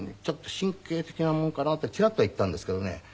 「ちょっと神経的なものかな」ってチラッとは言ったんですけどね